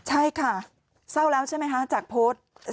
ใช่ค่ะเศร้าแล้วใช่ไหมคะจากโพสต์